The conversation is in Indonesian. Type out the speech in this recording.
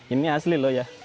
ini asli loh ya